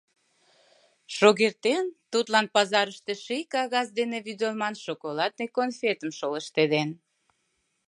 Шогертен — тудлан пазарыште ший кагаз дене вӱдылман шоколадный конфетым шолыштеден.